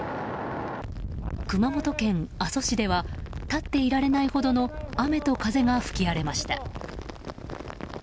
熊本県阿蘇市では立っていられないほどの雨と風が吹き荒れました。